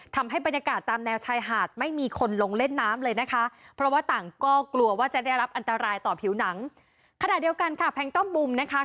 ว่าจะได้รับอันตรายต่อผิวหนังขณะเดียวกันค่ะแพลงต้อนบูมนะคะ